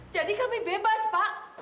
jadi kami bebas pak